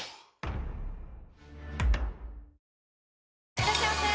いらっしゃいませ！